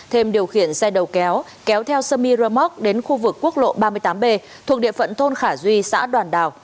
đêm điều khiển xe đầu kéo kéo theo semi remote đến khu vực quốc lộ ba mươi tám b thuộc địa phận thôn khả duy xã đoàn đào